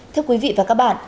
theo quý vị và các bạn